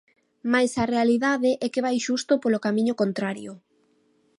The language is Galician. Mais a realidade é que vai xusto polo camiño contrario.